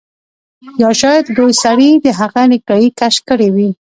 یا شاید لوی سړي د هغه نیکټايي کش کړې وي